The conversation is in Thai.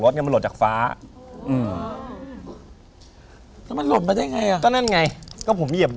อย่าเจ็บสิ